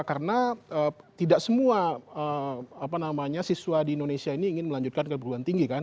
karena tidak semua apa namanya siswa di indonesia ini ingin melanjutkan keperluan tinggi kan